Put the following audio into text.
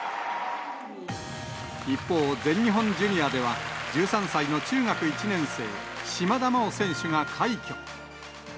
一方、全日本ジュニアでは、１３歳の中学１年生、島田麻央選手が快挙。